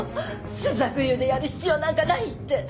朱雀流でやる必要なんかないって。